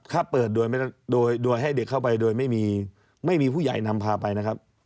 ถ้าเปิดโดยให้เด็กเข้าไปโดยไม่มีผู้ใหญ่นำพาไปนะครับ